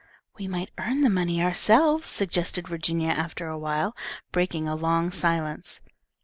"We might earn the money ourselves," suggested Virginia, after awhile, breaking a long silence.